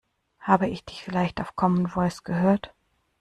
Habe ich dich vielleicht auf Common Voice gehört?